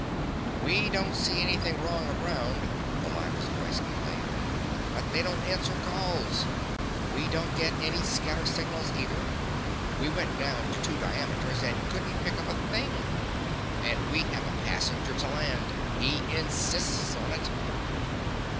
"We don't see anything wrong aground," the liner's voice complained, "but they don't answer calls! We don't get any scatter signals either. We went down to two diameters and couldn't pick up a thing. And we have a passenger to land. He insists on it!"